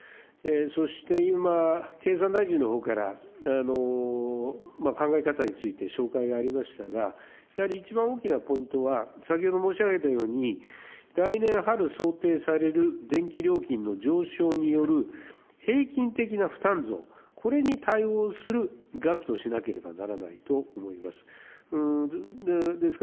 そして今、経産大臣のほうから考え方について紹介がありましたが、やはり一番大きなポイントは、先ほど申し上げたように、来年春想定される電気料金の上昇による平均的な負担増、これに対応する額としなければならないと思います。